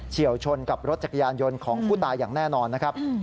เชี่ยวชนกับรถจักรยานยนต์ของผู้ตายอย่างแน่นอนนะครับ